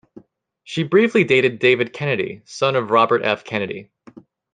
She briefly dated David Kennedy, son of Robert F. Kennedy.